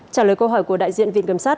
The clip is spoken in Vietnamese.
trả lời câu hỏi của đại diện vnq